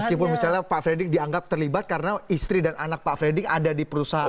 meskipun misalnya pak fredrik dianggap terlibat karena istri dan anak pak fredrik ada di perusahaan